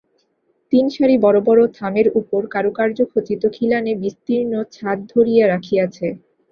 তিন সারি বড়ো বড়ো থামের উপর কারুকার্যখচিত খিলানে বিস্তীর্ণ ছাদ ধরিয়া রাখিয়াছে।